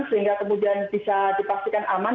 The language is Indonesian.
sehingga kemudian bisa dipastikan aman